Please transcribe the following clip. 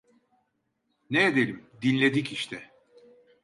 Ne edelim, dinledik işte!